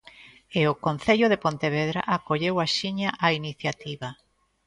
E o Concello de Pontevedra acolleu axiña a iniciativa.